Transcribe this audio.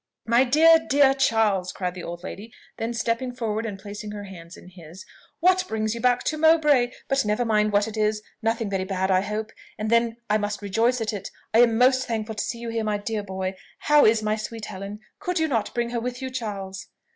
"My dear, dear Charles!" cried the old lady; then stepping forward and placing her hands in his, "What brings you back to Mowbray? But never mind what it is nothing very bad, I hope, and then I must rejoice at it. I am most thankful to see you here, my dear boy. How is my sweet Helen? could you not bring her with you, Charles?"